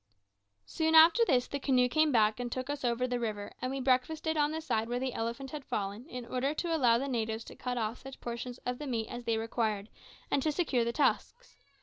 Soon after this the canoe came back and took us over the river; and we breakfasted on the side where the elephant had fallen, in order to allow the natives to cut off such portions of the meat as they required, and to secure the tusks.